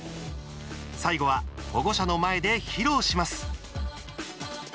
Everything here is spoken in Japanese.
最後は、保護者の前で披露します。